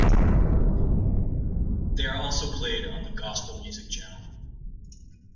They are also played on the Gospel Music Channel.